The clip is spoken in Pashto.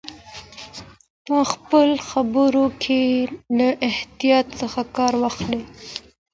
په خپلو خبرو کې له احتیاط څخه کار واخلئ.